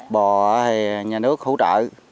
bò thì nhà nước hỗ trợ